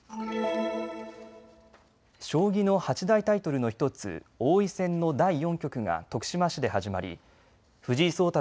将棋の八大タイトルの１つ王位戦の第４局が徳島市で始まり藤井聡太